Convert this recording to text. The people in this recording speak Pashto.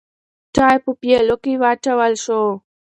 چای په پیالو کې واچول شو.